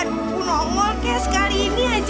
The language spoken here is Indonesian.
aduh nongol kayak sekali ini aja